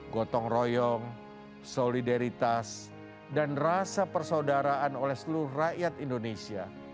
gotong royong solidaritas dan rasa persaudaraan oleh seluruh rakyat indonesia